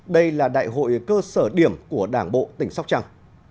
đây là đại hội cơ sở điểm của đảng bộ tỉnh sóc trăng